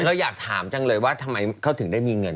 เราอยากถามจังเลยว่าทำไมเขาถึงได้มีเงิน